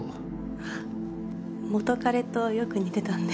あっ元カレとよく似てたんで。